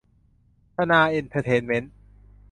ธนาเอนเตอร์เทนเม้นท์